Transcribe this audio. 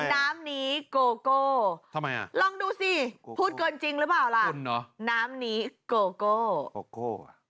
น้ำนี้โกโก้ทำไมอ่ะลองดูสิพูดเกินจริงหรือเปล่าล่ะน้ำนี้โกโก้โกโก้อ่ะ